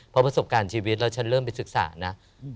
เพราะประสบการณ์ชีวิตแล้วฉันเริ่มไปศึกษานะ